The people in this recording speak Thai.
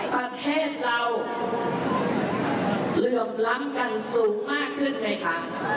ประเทศเราเหลื่อมล้ำกันสูงมากขึ้นเลยค่ะ